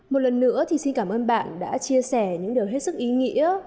một lần nữa thì xin cảm ơn bạn đã chia sẻ những điều hết sức ý nghĩa